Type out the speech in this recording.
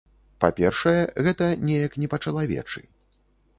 Па-першае, гэта неяк не па-чалавечы.